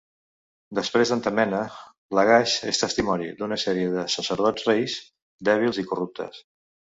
Després d'Entemena, Lagash és testimoni d'una sèrie de sacerdots-reis dèbils i corruptes.